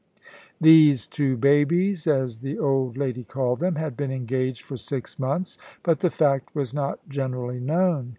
These two babies, as the old lady called them, had been engaged for six months, but the fact was not generally known.